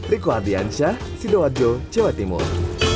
riku ardiansyah sido wadjo jawa timur